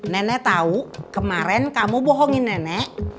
nenek tahu kemarin kamu bohongi nenek